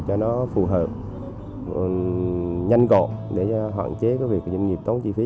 cho nó phù hợp nhanh gọn để hoạn chế doanh nghiệp tốn chi phí